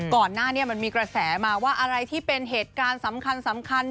ก่อนหน้านี้มันมีกระแสมาว่าอะไรที่เป็นเหตุการณ์สำคัญ